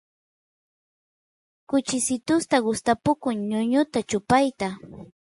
kuchisitusta gustapukun ñuñuta chupayta